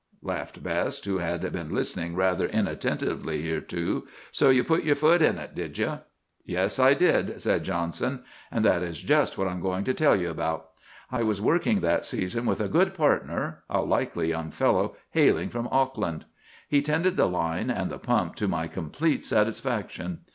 laughed Best, who had been listening rather inattentively hitherto. 'So you put your foot in it, did you?" "'Yes, I did,' said Johnson. 'And that is just what I'm going to tell you about. I was working that season with a good partner, a likely young fellow hailing from Auckland. He tended the line and the pump to my complete satisfaction.